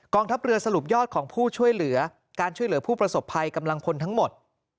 ทัพเรือสรุปยอดของผู้ช่วยเหลือการช่วยเหลือผู้ประสบภัยกำลังพลทั้งหมด